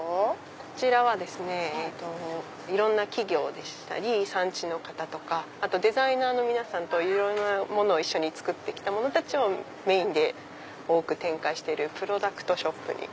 こちらはですねいろんな企業でしたり産地の方とかデザイナーの皆さんといろいろなものを一緒に作って来たものたちをメインで展開してるプロダクトショップに。